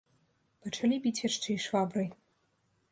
Пачалі біць яшчэ і швабрай.